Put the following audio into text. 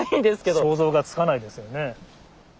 ちょっと想像がつかないですよね。